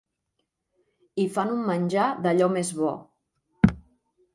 Hi fan un menjar d'allò més bo.